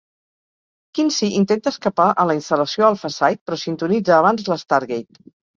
Kinsey intenta escapar a la instal·lació Alpha Site, però sintonitza abans la Stargate.